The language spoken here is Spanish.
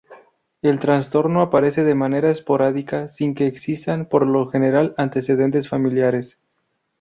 El trastorno aparece de manera esporádica sin que existan por lo general antecedentes familiares.